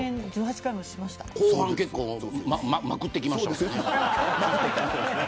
後半結構まくってきましたね。